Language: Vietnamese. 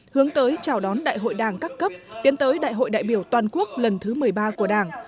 hướng tới chào đón đại hội đảng các cấp tiến tới đại hội đại biểu toàn quốc lần thứ một mươi ba của đảng